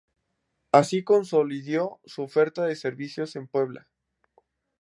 Así consolidó su oferta de servicios en Puebla.